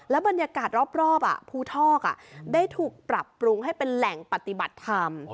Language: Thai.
บรรยากาศรอบภูทอกได้ถูกปรับปรุงให้เป็นแหล่งปฏิบัติธรรม